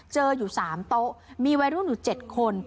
อยู่๓โต๊ะมีวัยรุ่นอยู่๗คน